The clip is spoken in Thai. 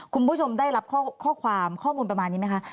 คุณผู้ชมได้รับข้อความข้อมูลประมาณนี้ไหมคะ